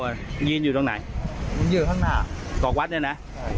งิ้นอยู่ตรงไหนก็ไหวทางหน้ากรอกวัดแน่น่ะ